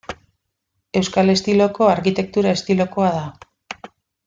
Euskal estiloko arkitektura estilokoa da.